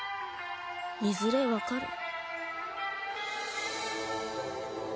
いずれわかる。